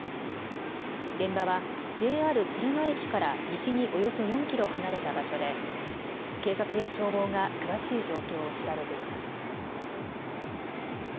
現場はＪＲ敦賀駅から西におよそ４キロ離れた場所で警察や消防が詳しい状況を調べています。